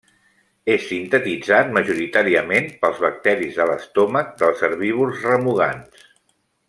És sintetitzat majoritàriament per bacteris de l'estómac dels herbívors remugants.